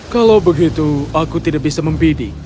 kalau begitu aku tidak bisa membidik